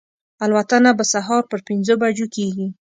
الوتنه به سهار پر پنځو بجو کېږي.